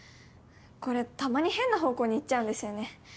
これたまに変な方向に行っちゃうんですよね。